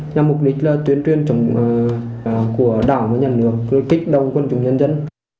nhằm mục đích là tuyến truyền trọng của đảng và nhân lực lưu kích đồng quân chủng nhân dân